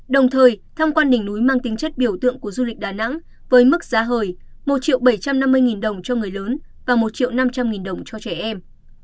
đồng thời tham quan đỉnh núi mang tính chất biểu tượng của du lịch đà nẵng với mức giá hời một triệu bảy trăm năm mươi nghìn đồng cho người lớn và một triệu năm trăm linh nghìn đồng cho trẻ em